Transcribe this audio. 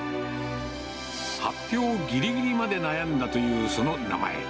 発表ぎりぎりまで悩んだという、その名前。